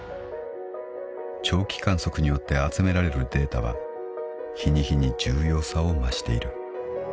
［長期観測によって集められるデータは日に日に重要さを増している］